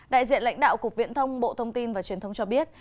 đại diện lãnh đạo cục viễn thông bộ thông tin và truyền thông cho biết